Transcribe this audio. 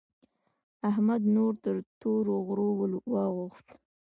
احمد نور تر تورو غرو واوښت.